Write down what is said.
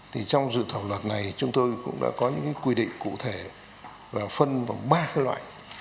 thì trong dự thảo luật này chúng tôi cũng đã có những quy định cụ thể và phân bằng ba loại